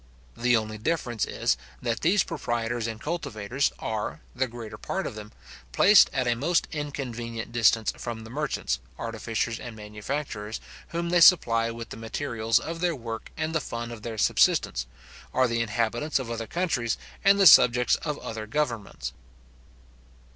The only difference is, that those proprietors and cultivators are, the greater part of them, placed at a most inconvenient distance from the merchants, artificers, and manufacturers, whom they supply with the materials of their work and the fund of their subsistence; are the inhabitants of other countries, and the subjects of other governments.